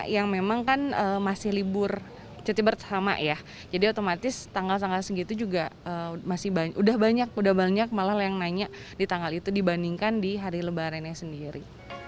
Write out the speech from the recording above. yang memang kan masih libur jadi otomatis tanggal tanggal segitu juga udah banyak malah yang nanya di tanggal itu dibandingkan di hari lebaran yang sendiri